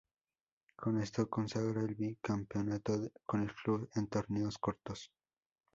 Con esto consagra el Bicampeonato con el Club, en torneos cortos.